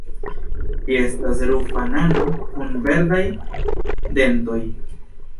Ĝi estas rufa nano kun verdaj dentoj.